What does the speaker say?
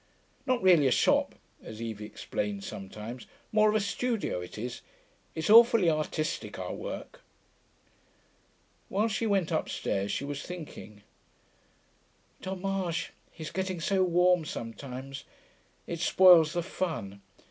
'Not really a shop,' as Evie explained sometimes. 'More of a studio, it is. It's awfully artistic, our work.' While she went upstairs, she was thinking, 'Dommage, his getting so warm sometimes. It spoils the fun....